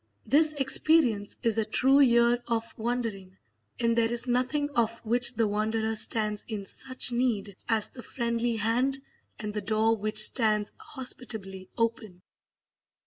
This experience is a true year of wandering, and there is nothing of which the wanderer stands in such need as the friendly hand and the door which stands hospitably open.